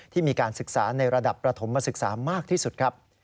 ที่มีการศึกษาในระดับประถมศึกษามากที่สุดครับ